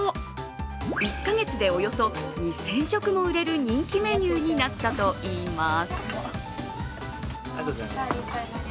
１か月でおよそ２０００食も売れる人気メニューになったといいます。